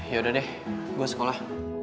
yaudah deh gue sekolah